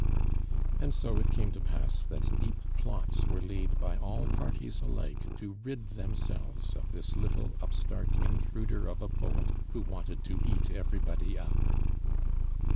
And so it came to pass that deep plots were laid by all parties alike to rid themselves of this little upstart intruder of a poet who wanted to eat everybody up.